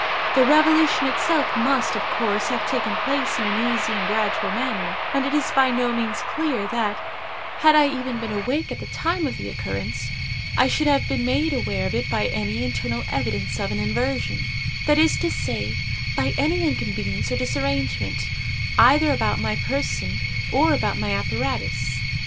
The revolution itself must, of course, have taken place in an easy and gradual manner, and it is by no means clear that, had I even been awake at the time of the occurrence, I should have been made aware of it by any internal evidence of an inversion—that is to say, by any inconvenience or disarrangement, either about my person or about my apparatus.